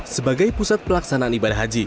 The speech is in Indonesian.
sebagai pusat pelaksanaan ibadah haji